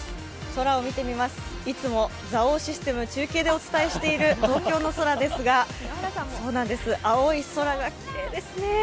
空を見てみます、いつもざおうシステム、お伝えしている東京の空なんですが、青い空がきれいですね。